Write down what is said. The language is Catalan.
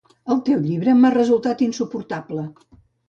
El teu llibre m'ha resultat insuportable.